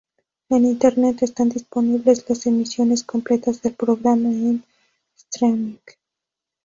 En Internet están disponibles las emisiones completas del programa en "streaming".